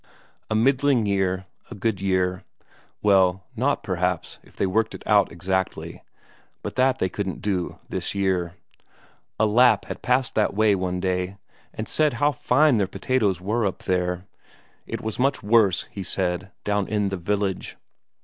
A middling year a good year ... well, not perhaps, if they worked it out exactly, but that they couldn't do this year. A Lapp had passed that way one day and said how fine their potatoes were up there; it was much worse, he said, down in the village.